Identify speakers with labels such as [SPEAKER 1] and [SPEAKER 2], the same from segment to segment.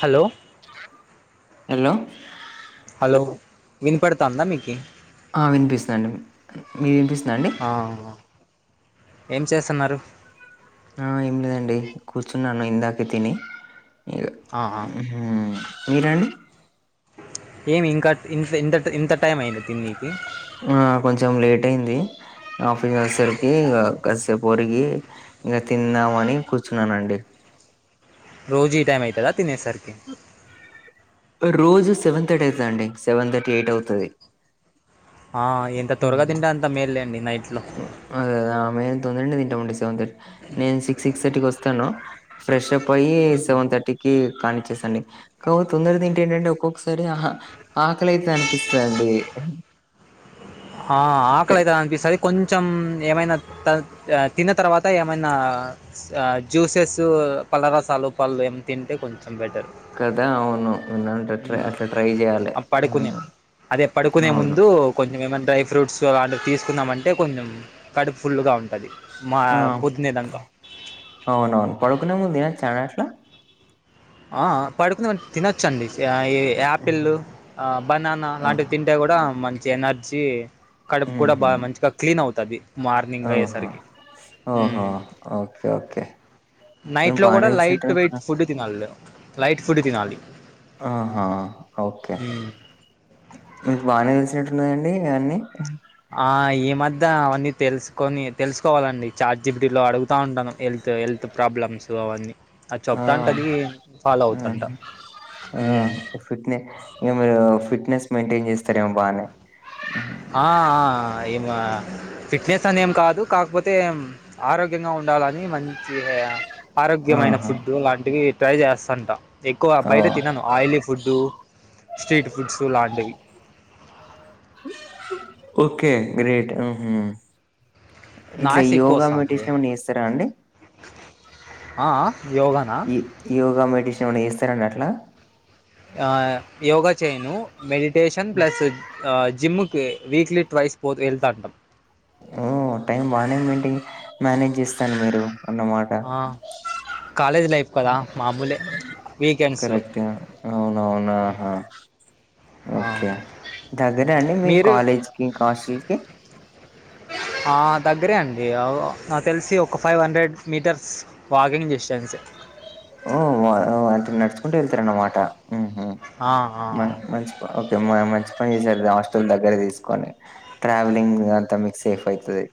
[SPEAKER 1] Hello
[SPEAKER 2] hello
[SPEAKER 1] hello వినిపడతాందా మీకి
[SPEAKER 2] ఆ వినిపిస్తాండి మీరు వినిపిస్తాండి
[SPEAKER 1] ఆవును ఏం చేస్తున్నారు
[SPEAKER 2] ఆ ఏం లేదండి కూర్చున్నాను ఇందాకే తిని ఇక
[SPEAKER 1] ఆహా
[SPEAKER 2] మీరండి
[SPEAKER 1] ఏమి ఇంకా ఇంత ఇంత ఇంత టైం అయ్యింది తిననీకి
[SPEAKER 2] ఆ కొంచెం లేట్ అయింది ఆఫీస్ వచ్చేసరికి ఇ కాసేపు ఒరిగి ఇంకా తిందామని కూర్చున్నానండి
[SPEAKER 1] రోజు ఈ టైమ్ అవుతదా తినేసరికి
[SPEAKER 2] రోజు సెవెన్ థర్టి అవుతాండి సెవెన్ థర్టి ఎయిట్ అవుతది
[SPEAKER 1] ఆ ఎంత త్వరగా తింటే అంత మేల్లేండి నైట్ లో
[SPEAKER 2] అదేదా మేము తొందరడి తింటామండి సెవెన్ థర్టీ నేను సిక్స్ సిక్స్ థర్టీకి వస్తాను ఫ్రెష్ అప్ అయ్యి సెవెన్ థర్టీకిి కానిచ్చేసండి కౌతొందరగా తింటే ఏటంటే ఒక్కొక్కసారి ఆహ ఆకలి అయితే అనిపిస్తదండి
[SPEAKER 1] హ
[SPEAKER 2] అంటే
[SPEAKER 1] ఆకలైతే అనిపిస్తాయి కొంచెం ఏమైనా త తిన్న తర్వాత ఏమైనా జ్యూసెస్ పళ్ల రసాలు పళ్ళు ఏమి తింటే కొంచెం బెటర్
[SPEAKER 2] కదా అవును ఉందంటేై
[SPEAKER 1] ఉ
[SPEAKER 2] అట్లా ట్రై చేయాలి
[SPEAKER 1] ఆ పడుకునే అదే పడుకునే
[SPEAKER 2] అవును
[SPEAKER 1] ముందు కొంచెం ఏమైనా డ్రై ఫ్రూట్స్ అలాంటివి తీసుకున్నామంటే కొంచెం కడుపు ఫుల్గా ఉంటది మా
[SPEAKER 2] ఆ
[SPEAKER 1] పొద్దునేదంతా
[SPEAKER 2] అవునవును పడకునే ముందు తినచ్చా అండి అట్ల
[SPEAKER 1] అ ఆ పడుకునే ముందు తినచ్చండి ఆ ఇ యాపిల్లు ఆ బనానా
[SPEAKER 2] ఆ
[SPEAKER 1] అలాంటివి తింటే కూడా మంచి ఎనర్జీ కడుపు కూడా
[SPEAKER 2] ఉహు
[SPEAKER 1] బాగా మంచిగా క్లీన్ అవుతది మార్నింగ్
[SPEAKER 2] ఓహో
[SPEAKER 1] అయ్యేసరికి ఉ
[SPEAKER 2] ఓహో ఓకే ఓకే మీకు
[SPEAKER 1] నైట్ లో
[SPEAKER 2] బానే
[SPEAKER 1] కూడా
[SPEAKER 2] తెలిసినట్టు
[SPEAKER 1] లైట్ వెయిట్ ఫుడ్డు తినాల్ లైట్ ఫుడ్డు తినాలి
[SPEAKER 2] ఆహా ఓకే మీకు బానే తెలిసినట్టు ఉన్నదండి ఇవన్నీ
[SPEAKER 1] ఆ ఈ మధ్య అవన్నీ తెలుసుకొని తెలుసుకోవాలండి చాట్ జీపిటీలో అడుగుతా ఉంటాను హెల్త్ హెల్త్ ప్రాబ్లమ్స్ అవన్నీ అది
[SPEAKER 2] ఆ
[SPEAKER 1] చెప్తాంటది ఫాలో
[SPEAKER 2] ఆ
[SPEAKER 1] అవుతంట
[SPEAKER 2] ఆ ఫిట్నెస్ ఇంగ మీరు ఫిట్నెస్ మెయింటైన్ చేస్తారేమో బానే
[SPEAKER 1] ఆ ఆ ఇగ మా ఫిట్నెస్ అనేం కాదు కాకపోతే ఆరోగ్యంగా ఉండాలని మంచిగా ఆరోగ్యమైన
[SPEAKER 2] ఆహా
[SPEAKER 1] ఫుడ్డు అలాంటివి ట్రై చేస్తంట ఎక్కువ
[SPEAKER 2] ఆ
[SPEAKER 1] బయట తినను ఆయిలీ ఫుడ్డు స్ట్రీట్ ఫుడ్స్ లాంటివి
[SPEAKER 2] ఓకే గ్రేట్ ఉహు ఇట్లా
[SPEAKER 1] నాయిస్ ఎక్కువ
[SPEAKER 2] యోగా
[SPEAKER 1] వస్తుంది
[SPEAKER 2] మెడిటేషన్ ఏమన్న చేస్తారా అండి
[SPEAKER 1] ఆ ఆ యోగాన్
[SPEAKER 2] ఈ యోగా మెడిటేషన్ ఏమన్నా చేస్తారండి అట్లా
[SPEAKER 1] ఆ యోగా చేయను మెడిటేషన్ ప్లేస్ ఆ జిమ్ము కి వీక్లీ ట్వైస్ పోతే వెళ్తాంటం
[SPEAKER 2] ఓ టైం బానే మెన్టెన్ మేనేజ్ చేస్తాను మీరు అన్నమా
[SPEAKER 1] ఆ కాలేజ్ లైఫ్ కదా మామూలే వీకెండ్స్లో
[SPEAKER 2] కరెక్టే అవునవునా హా
[SPEAKER 1] ఆ
[SPEAKER 2] ఓకే దగ్గరే అండి మీ
[SPEAKER 1] మీరు
[SPEAKER 2] కాలేజ్కి ఇంక హస్టల్ కి
[SPEAKER 1] ఆ దగ్గరే అండి అవ్ నాకు తెలిసి ఒక ఫైవ్ హండ్రెడ్ మీటర్స్ వాకింగ్ డిస్టెన్సే
[SPEAKER 2] ఓ వో ఓ అంటే నడుచుకుంటు వెళ్తారన్నమాట ఉహు
[SPEAKER 1] ఆ ఆ
[SPEAKER 2] మం మంచిద్ ఓకే మ మంచి పని చేసారు హాస్టల్ దగ్గర తీసుకొని ట్రావెలింగ్ అంతా మీకు సేఫ్ అయితది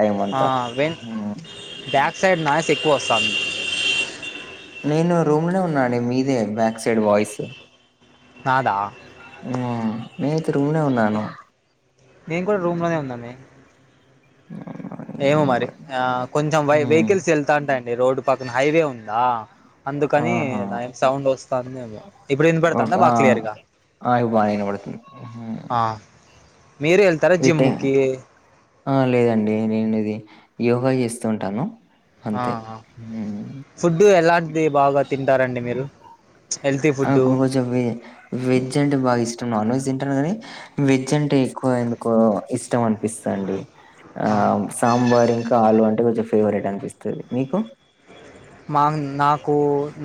[SPEAKER 2] టైమ్
[SPEAKER 1] ఆ
[SPEAKER 2] అంతా
[SPEAKER 1] when
[SPEAKER 2] uh
[SPEAKER 1] back side noise ఎక్కువస్తాంది
[SPEAKER 2] నేను రూమ్ లోనే ఉన్నానండి మీదే బ్యాక్ సైడ్ వాయిస్
[SPEAKER 1] నాదా
[SPEAKER 2] హ్మ్. నేనైతే రూమ్ లో ఉన్నాను
[SPEAKER 1] నేను కూడా రూమ్ లోనే ఉన్నామే ఏమో మరి ఆ కొంచెం వై
[SPEAKER 2] ఉమ్
[SPEAKER 1] వెహికల్స్ వెళ్తా ఉంటాయండి రోడ్డు పక్కన హైవే ఉందా అందుకని
[SPEAKER 2] ఆహా
[SPEAKER 1] దం సౌండోస్తందేమో ఇప్పుడు
[SPEAKER 2] ఓకే
[SPEAKER 1] వినపడతాందా
[SPEAKER 2] ఆ
[SPEAKER 1] బాగా క్లియర్ గా
[SPEAKER 2] ఆ ఇప్పుడు బానే వినపడ్తుంది
[SPEAKER 1] ఆ మీరే వెళ్తారా
[SPEAKER 2] ఈ
[SPEAKER 1] జిమ్ము
[SPEAKER 2] టైం
[SPEAKER 1] కి
[SPEAKER 2] ఆ లేదండి నేనిది యోగా చేస్తూంటాను
[SPEAKER 1] ఆహా ఫుడ్డు ఎలాంటిది బాగా తింటారండి మీరు హెల్తీ ఫుడ్డు
[SPEAKER 2] నాకోసమే వెజ్ అంటే బాగా ఇష్టం నాన్ వెజ్ తింటను కానీ వెజ్ అంటే ఎక్కువ ఎందుకో ఇష్ ఇష్టమనిపిస్తదండి ఆ సాంబార్ ఇంకా ఆలు అంటే కొంచెం ఫేవరెట్ అనిపిస్తది మీకు
[SPEAKER 1] మామ్ నాకు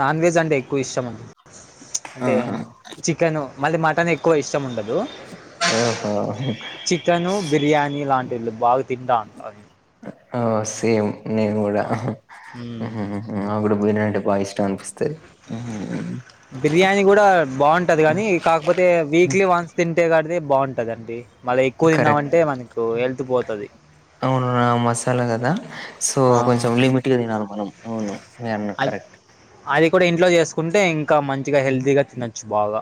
[SPEAKER 1] నాన్ వెజ్ అంటే ఎక్కువ ఇష్టము ప్చ్ అంటే
[SPEAKER 2] ఆహా
[SPEAKER 1] చికెను, మళ్ళీ మటన్ ఎక్కువ ఇష్టముండదు.
[SPEAKER 2] ఓహో
[SPEAKER 1] చికెను, బిర్యానీ ఇలాంటివి బాగా తింటా అండి
[SPEAKER 2] ఓ, సేమ్ నేను కూడా
[SPEAKER 1] ఆ, మ్మ్.
[SPEAKER 2] ఉహు హు అవును బిర్యానీ అంటే బాగా ఇష్టమనిపిస్తాది.
[SPEAKER 1] బిర్యానీ కూడా బాగుంటది కానీ కాకపోతే వీక్లీ వన్స్ తింటే కాడిది బాగుంటాదండి మళ్ళీ ఎక్కువ
[SPEAKER 2] కరెక్ట్
[SPEAKER 1] తిన్నామంటే మనకు హెల్త్ పోతాది.
[SPEAKER 2] అవును, మసాలా కదా? సో
[SPEAKER 1] ఆ
[SPEAKER 2] కొంచెం లిమిట్గా తినాల. మనం అవును మీరు అన్నది
[SPEAKER 1] అది
[SPEAKER 2] కరెక్ట్.
[SPEAKER 1] అది కూడా ఇంట్లో చేసుకుంటే ఇంకా మంచి గా హెల్తీ గా తినొచ్చు బాగా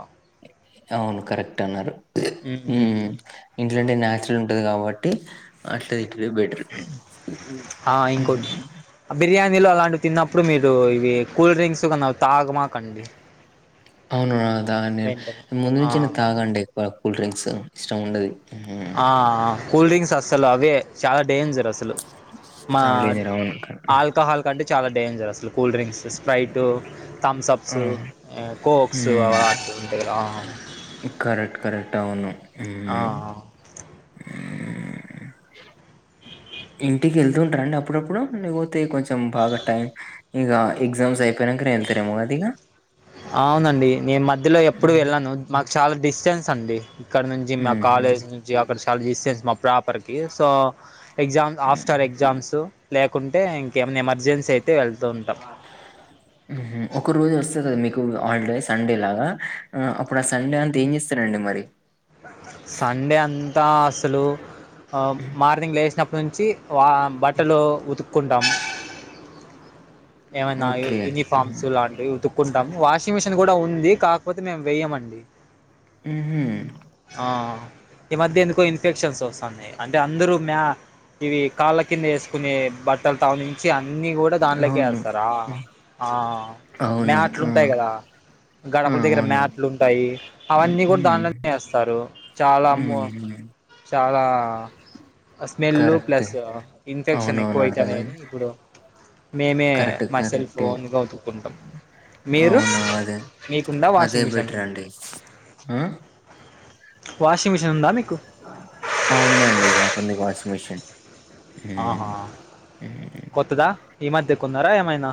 [SPEAKER 2] అవును కరెక్ట్ అన్నారు. హ్మ్. ఇంట్లో అంటే న్యాచురల్ ఉంటాది కాబట్టి అట్లా తినటమే బెటర్. మ్ హు
[SPEAKER 1] బిర్యానీలు అలాంటివి తిన్నప్పుడు మీరు ఇవి కూల్ డ్రింక్స్ ఎవన్నా తాగమాకండి.
[SPEAKER 2] అవునా, దాన్ని
[SPEAKER 1] వెంటనే
[SPEAKER 2] నేను ముందు
[SPEAKER 1] ఆ
[SPEAKER 2] నుంచి నేను తాగండి ఎక్కువ కూల్ డ్రింక్స్ ఇష్టం ఉండదు.
[SPEAKER 1] ఆ కూల్ డ్రింక్స్ అస్సలు అవే చాలా డేంజర్. అసలు మా
[SPEAKER 2] చాలా డేంజర్ అవును. క
[SPEAKER 1] ఆల్కహాల్ కంటే చాలా డేంజర్. అసలు కూల్ డ్రింక్స్ స్ప్రైటు, తమ్స్
[SPEAKER 2] ఆ!
[SPEAKER 1] అప్స్, కోక్స్
[SPEAKER 2] హ్మ్.
[SPEAKER 1] అలాంటి ఉంటాయి కదా.
[SPEAKER 2] కరెక్ట్, కరెక్ట్ అవును.
[SPEAKER 1] ఆ
[SPEAKER 2] హ్మ్. ఇంటికి వెళ్తుంటారండి అప్పుడప్పుడు ఆడికి పోతే కొంచెం బాగా టైం ఇక ఎగ్జామ్స్ అయిపోయినాక నేను తిరగమాదిక.
[SPEAKER 1] అవునండి. నేను మధ్యలో ఎప్పుడు
[SPEAKER 2] హ్మ్.
[SPEAKER 1] వెళ్ళను. మాకు చాలా డిస్టెన్స్ అండి. ఇక్కడ నుంచి మా
[SPEAKER 2] హుహు.
[SPEAKER 1] కాలేజ్ నుంచి అక్కడ చాలా డిస్టెన్స్ మా ప్రాపర్కి so exam
[SPEAKER 2] hmm.
[SPEAKER 1] After exams లేకుంటే ఇంకేమైనా ఎమర్జెన్సీ అయితే వెళ్తూ ఉంటాం.
[SPEAKER 2] ఒక రోజు వస్తుంది కదా మీకు హాలిడే సండే లాగా అప్పుడు ఆ సండే అంతా ఏం చేస్తారండి మరి.
[SPEAKER 1] సండే అంతా అసలు మార్నింగ్ లేచినప్పటి నుంచి వా బట్టలు ఉతుక్కుంటాము. ఏమైనా
[SPEAKER 2] ఓకే. హ్మ్.
[SPEAKER 1] యూనిఫామ్స్ లాంటివి ఉతుక్కుంటాం వాషింగ్ మిషన్ కూడా ఉంది కాకపోతే మేము వెేయమండి.
[SPEAKER 2] మ్
[SPEAKER 1] ఆ ఈ మధ్య ఎందుకో ఇన్ఫెక్షన్స్ వస్తున్నాయి. అంటే అందరూ మ్యా ఇవి కాళ్ళ కింద వేసుకునే బట్టలు తావ నుంచి అన్నీ కూడా దాంట్లోకే
[SPEAKER 2] అవును.
[SPEAKER 1] వేస్తారు.
[SPEAKER 2] హ్మ్.
[SPEAKER 1] ఆ
[SPEAKER 2] అవును.
[SPEAKER 1] మ్యాట్లు
[SPEAKER 2] ఆ!
[SPEAKER 1] ఉంటాయి కదా
[SPEAKER 2] ఆ!
[SPEAKER 1] గడపల దగ్గర
[SPEAKER 2] అవును.
[SPEAKER 1] మ్యాట్లు ఉంటాయి
[SPEAKER 2] హ్మ్.
[SPEAKER 1] అవన్నీ కూడా
[SPEAKER 2] హ్మ్.
[SPEAKER 1] దానిలోనే వస్తారు చాలా అమ్మో
[SPEAKER 2] అ
[SPEAKER 1] చాలా స్మెల్
[SPEAKER 2] కరెక్టే.
[SPEAKER 1] ప్లస్ ఇన్ఫెక్షన్లు
[SPEAKER 2] అవునవును.
[SPEAKER 1] ఎక్కువ అవుతున్నాయి.
[SPEAKER 2] అర్థమైంది.
[SPEAKER 1] కాని ఇప్పుడు మేమే
[SPEAKER 2] కరెక్టే.
[SPEAKER 1] మా సెల్ఫ్ తో
[SPEAKER 2] కరెక్టే.
[SPEAKER 1] ఓన్ గా ఉతుక్కుంటాం. మీరు?
[SPEAKER 2] అవును. అదే.
[SPEAKER 1] మీకుందా
[SPEAKER 2] అదే
[SPEAKER 1] వాషింగ్ మిషన్?
[SPEAKER 2] బెటరండి. ఆ!
[SPEAKER 1] వాషింగ్ మిషిన్ ఉందా మీకు?
[SPEAKER 2] అవునండి మాకుంది వాషింగ్ మిషిన్.
[SPEAKER 1] ఆహా!
[SPEAKER 2] హ్మ్.
[SPEAKER 1] కొత్తదా ఈ మధ్యకొన్నారా ఏమైనా?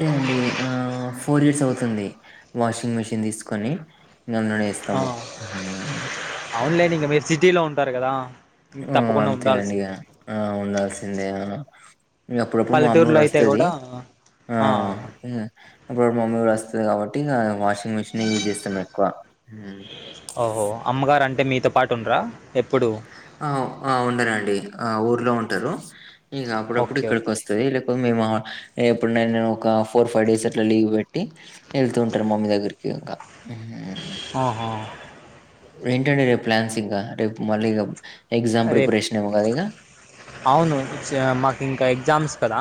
[SPEAKER 2] లేదండి. ఫోర్ ఇయర్స్ అవుతుంది వాషింగ్ మెషిన్ తీసుకొని. నన్న ఇస్తాము ఉహుమ్,
[SPEAKER 1] అవునులేని ఇంక మీరు సిటీలో ఉంటారు కదా,
[SPEAKER 2] ఆ
[SPEAKER 1] తప్పకుండా
[SPEAKER 2] అంతే అండిగా
[SPEAKER 1] ఉండాల్సిందే
[SPEAKER 2] ఆ ఉండాల్సిందే, అప్పుడప్పుడు మా అమ్మీ
[SPEAKER 1] పల్లెటూరులో
[SPEAKER 2] కూడా
[SPEAKER 1] అయితే
[SPEAKER 2] వస్తుది ఆ, ఇప్పుడు మమ్మీ కూడా వస్తది కాబట్టి వాషింగ్ మిషిన్ యూజ్ చేస్తాం ఎక్కువ,
[SPEAKER 1] ఓహో అమ్మగారు అంటే మీతో పాటు ఉండరా ఎప్పుడు,
[SPEAKER 2] ఆ ఆ ఉండరాండి ఆ ఊర్లో ఉంటారు ఇక అప్పుడప్పుడు
[SPEAKER 1] ఓకే
[SPEAKER 2] ఇక్కడికి
[SPEAKER 1] ఓకే
[SPEAKER 2] వస్త, లేకపోతే మేము ఎప్పుడు నను నను ఒక ఫోర్ ఫైవ్ డేస్ అట్లా లీవ్ పెట్టి, వెళ్తూ ఉంటారు మమ్మీ దగ్గరికి ఇంకా,
[SPEAKER 1] ఆహా,
[SPEAKER 2] ఏంటండి రేపు ప్లాన్స్ ఇంకా రేపు మళ్ళీ ఇక ఎగ్జామ్
[SPEAKER 1] రేపు
[SPEAKER 2] ప్రిపరేషన్ ఏమో కదా ఇక,
[SPEAKER 1] అవును మాకు ఇంకా ఎగ్జామ్స్ కదా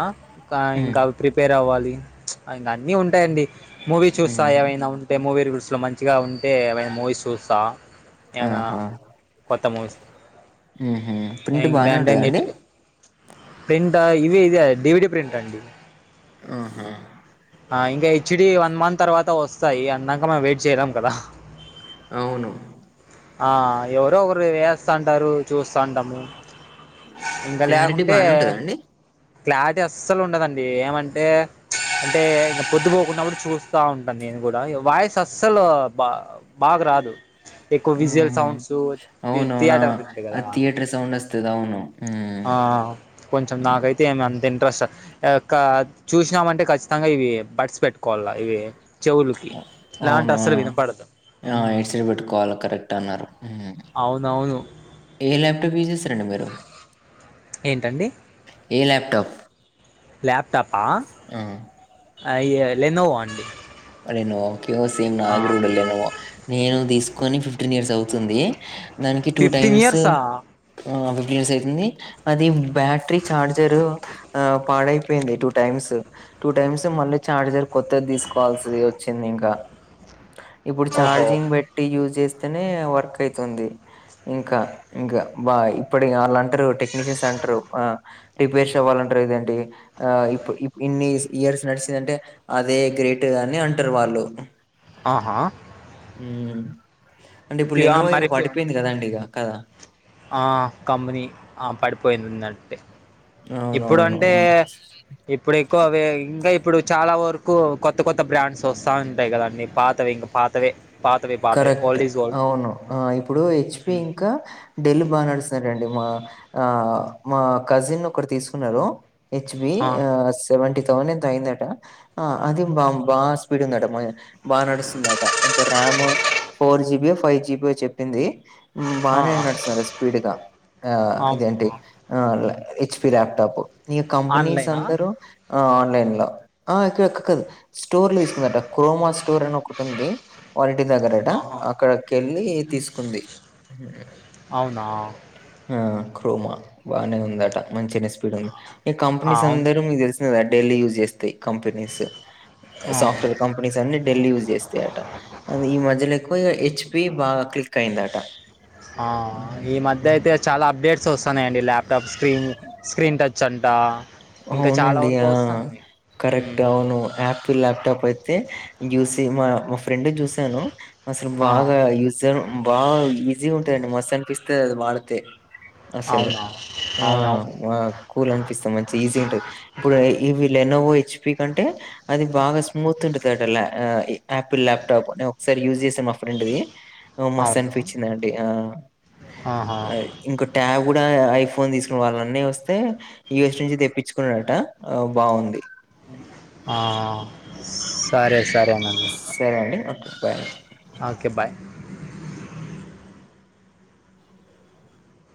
[SPEAKER 1] కా
[SPEAKER 2] ఉమ్
[SPEAKER 1] ఇంకా, ప్రిపేర్ అవ్వాలి అ అన్నిీ ఉంటాయిండి మూవీ చూస్తా
[SPEAKER 2] ఉమ్
[SPEAKER 1] ఏమైనా ఉ, అంటే మూవీ గుూడ్స్లో మంచిగా ఉంటే ఏమైనా మూవీస్ చూస్తా, ఏమైనా
[SPEAKER 2] ఆహాహ
[SPEAKER 1] కొత్త మూవీస్
[SPEAKER 2] ఉహు ప్రింట్ బాగానే ఉంటందా అండి,
[SPEAKER 1] ప్రింటా ఇవి ఇది డివిడి ప్రింట్ అండి,
[SPEAKER 2] ఆహా,
[SPEAKER 1] ఆ ఇంకా హెచ్డడి వన్ మంత్ తర్వాత వస్తాయి అందాక మేము వెయిట్ చేయలేం కదా,
[SPEAKER 2] అవును,
[SPEAKER 1] ఆ ఎవరో ఒకరు వేస్తాంటారు చూస్తాంటాము. ఇంకా
[SPEAKER 2] క్లారిటీ
[SPEAKER 1] లేకుంటే
[SPEAKER 2] బానే ఉంటదా అండి
[SPEAKER 1] క్లారిటీ అస్సలు ఉండదండి ఏమంటే, అంటే ఇం పొద్దు పోకున్నప్పుడు చూస్తా ఉంటాను నేను కూడా వాయిస్ అస్సలు బా, బాగా రాదు ఎక్కువ విజువల్
[SPEAKER 2] ఉహు
[SPEAKER 1] సౌండ్స్ థియేటర్ ప్రింట్లు కదా,
[SPEAKER 2] రి సౌండ్వస్తుం, తిదావున్నా ఉమ్
[SPEAKER 1] ఆ కొంచెం
[SPEAKER 2] ఉమ్,
[SPEAKER 1] నాకైతే ఏమి అంత ఇంట్రెస్ట్ యొక్క చూసినామంటే ఖచ్చితంగా ఇవి బడ్స్ పెట్టుకోవాల ఇవి చెవులుకి లాంటి
[SPEAKER 2] అవును
[SPEAKER 1] అసలు వినపడదు.
[SPEAKER 2] ఆ హెడ్ సెట్ పెట్టుకోవాలి కరెక్ట్ అన్నారు ఉమ్
[SPEAKER 1] అవునవును,
[SPEAKER 2] ఏ ల్యాప్టాప్ తీసెస్ రండి మీరు,
[SPEAKER 1] ఏంటండి,
[SPEAKER 2] ఏ లాప్టాప్,
[SPEAKER 1] ల్యాప్టాపా
[SPEAKER 2] ఆ
[SPEAKER 1] అయో లెన్నోవా అండి,
[SPEAKER 2] రెండూవేళకి ఓకేఓ సేమ్
[SPEAKER 1] ఆ
[SPEAKER 2] నాగరూడ లేను నేను తీసుకొని ఫిఫ్టీన్ ఇయర్స్ అవుతుంది. దానికి టూ
[SPEAKER 1] ఫిఫ్టీన్
[SPEAKER 2] టైమ్స్,
[SPEAKER 1] ఇయర్సా
[SPEAKER 2] ఆ ఫిఫ్టీన్ ఇయర్స్ అయితుంది అది బ్యాటరీ చఛార్జర్, ఆ పాడైపోయింది టూ టైమ్స్ టూ టైమ్స్ మళ్ళీ చార్జర్ కొత్తది తీసుకు, ల్సిది వచ్చింది ఇంకా ఇప్పుడు
[SPEAKER 1] ఓహో
[SPEAKER 2] చార్జింగ్ పెట్, టీ యూజ్ చేస్తేనే వర్క్ అయితుంది. ఇంకా ఇంకా బ ఇప్పటి వాళ్ళుంటారు టెక్నీషియన్స్ అంటారు, రిపేర్స్ అవ్వాలంటే ఇదంటి, ఆ ఇప్పుడు ఇన్ని ఇయర్స్ నడిచిందంటే అదే గ్రేట్ అని అంటారు వాళ్ళు,
[SPEAKER 1] ఆహా,
[SPEAKER 2] ఉం అంటే ఇప్పుడు
[SPEAKER 1] ఫి ఆ
[SPEAKER 2] ఎన్నోో ఇక
[SPEAKER 1] మరి ఫి
[SPEAKER 2] పడిపోయింది కదా అండి ఒక,
[SPEAKER 1] ఆ కంపెనీ పడిపోయిందిందట్టే ఇప్పుడు అంటే,
[SPEAKER 2] అవునవును.
[SPEAKER 1] ఇప్పుడు ఎక్కువ అవే ఇంకా ఇప్పుడు చాలా వరకు కొత్త కొత్త బ్రాండ్స్ వస్తా ఉంటాయి కదండి పాతవి ఇంగ పాతవే పాతవి పాతవే
[SPEAKER 2] కరెక్ట్
[SPEAKER 1] ఓల్డ్ ఈజ్ గోల్డ్
[SPEAKER 2] అవును ఆ ఇప్పుడు హెచ్‌పి ఇంకా డెల్ బాగా నడుస్తున్నారంండి మా ఆ మా కజిన్ ఒకడు తీసుకున్నారు హెచ్‌బి ఆ సెవెంటీ థౌజండ్ ఎంతో అయ్యిందట ఆ అది బా బాగా స్పీడ్ ఉందట బాగా నడుస్తుందాట ఎంతో ర్యామ్ ఫోర్ జిబియో ఫైవ్ జిబియో చెప్పింది
[SPEAKER 1] ఆ
[SPEAKER 2] బానే నడుస్తాదట స్పీడ్‌గా ఆ
[SPEAKER 1] అవునా
[SPEAKER 2] ఇదేంటి ఆ హెచ్‌పి ల్యాప్టాప్ నీ కంపెనీస్
[SPEAKER 1] ఆన్లైనా
[SPEAKER 2] అందరూ ఆ ఆన్లైన్‌లో ఆ ఇక్కడ క కాదు స్టోర్‌లో తీసుకుందట క్రోమా స్టోర్ అని ఒకటి ఉంది దగ్గరట
[SPEAKER 1] ఆహా
[SPEAKER 2] అక్కడకెళ్ళి తీసుకుంది ఉమ్
[SPEAKER 1] అవునా
[SPEAKER 2] ఆ క్రోమా బాగానే ఉందట మంచినే స్పీడ్ ఉంది ఈ
[SPEAKER 1] ఆ
[SPEAKER 2] కంపెనీస్
[SPEAKER 1] అవును
[SPEAKER 2] అందరు మీకు తెలి సిందే కదా డెల్ యూస్ చేస్తాయి కంపెనీస్
[SPEAKER 1] ఆ
[SPEAKER 2] సాఫ్ట్వేర్ కం పెనీస్ అన్నీ డెల్ యూస్ చేస్తాయట అదే ఈ మధ్యలో ఎక్కువ హెచ్‌పి బాగా క్లిక్ అయిందట
[SPEAKER 1] ఆ
[SPEAKER 2] హ్మ్.
[SPEAKER 1] ఈ మధ్య
[SPEAKER 2] హ్మ్.
[SPEAKER 1] అయితే చాలా అప్డేట్స్ వస్తాన్నాయండి ల్యాప్టాప్ స్క్రీన్ స్క్రీన్ టచ్ అంట ఇంకా చాలా
[SPEAKER 2] అవునండి
[SPEAKER 1] వరకు
[SPEAKER 2] ఆ
[SPEAKER 1] వస్తుంది
[SPEAKER 2] కరెక్ట్
[SPEAKER 1] మ్మ్.
[SPEAKER 2] అ వును యాపిల్ ల్యాప్టాప్ అయితే జుసి మా మా ఫ్రెండ్‌ది చూసాను అసలు
[SPEAKER 1] ఆ
[SPEAKER 2] బాగా యూజన్ బాగా ఈజీగా ఉంటదండి మస్త్ అనిపిస్తాది అది వాడితే అసలు
[SPEAKER 1] అవునా
[SPEAKER 2] ఆ
[SPEAKER 1] అవునవును
[SPEAKER 2] ఆ కూల్ అనిపిస్తా మంచిగా ఈజీ ఉంటది ఇప్పుడు ఇవి లెనోవో హెచ్‌పి కంటే అది బాగా స్మూత్ ఉంటాదట ల్య అ యాపిల్ ల్యాప్టాప్ నేను ఒకసారి యూజ్ చేశా మా ఫ్రెండ్‌ది ఆ మస్త్
[SPEAKER 1] అవునా
[SPEAKER 2] అనిపిచిందండి ఆ
[SPEAKER 1] ఆహా
[SPEAKER 2] అది ఇంకో ట్యాబ్ కూడా ఐఫోన్ తీసుకునే వాళ్ల అన్నయ్య వస్తే యుఎస్ నుంచి తెప్పిచుకున్నాడట ఆ బాగుంది
[SPEAKER 1] ఆ సరే సరేనండి
[SPEAKER 2] సరే అండి. ఓకే. బాయ్.
[SPEAKER 1] Okay bye